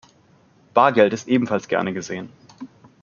Bargeld ist ebenfalls gerne gesehen.